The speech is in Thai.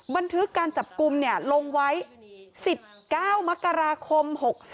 บันทึกการจับกลุ่มลงไว้๑๙มกราคม๖๕